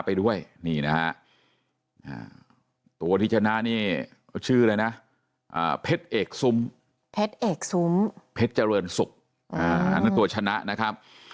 เพชรเอกซุมเพชรเจริญศุกร์อันนั้นตัวชนะนะครับ